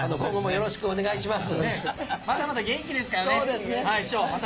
よろしくお願いします。